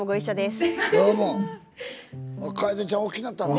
楓ちゃんおおきなった。